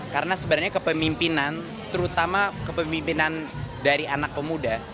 karena sebenarnya kepemimpinan terutama kepemimpinan dari anak pemuda